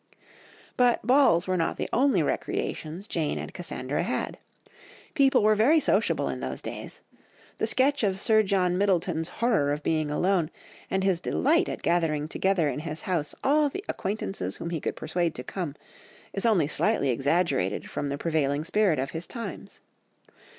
But balls were not the only recreations Jane and Cassandra had; people were very sociable in those days; the sketch of Sir John Middleton's horror of being alone, and his delight at gathering together in his house all the acquaintances whom he could persuade to come, is only slightly exaggerated from the prevailing spirit of his times.